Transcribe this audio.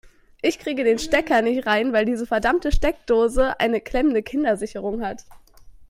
Ich kriege den Stecker nicht rein, weil diese verdammte Steckdose eine klemmende Kindersicherung hat.